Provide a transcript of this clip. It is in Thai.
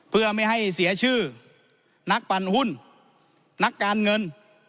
เพื่อไม่ให้เสียชื่อนักปั่นหุ้นนักการเงิน